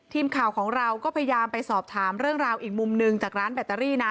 ทีมข่าวของเราก็พยายามไปสอบถามเรื่องราวอีกมุมหนึ่งจากร้านแบตเตอรี่นะ